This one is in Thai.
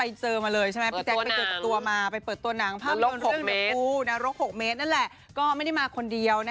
ตกใจเราฟังตอนแรกนี้ฉันไม่เชื่อนะ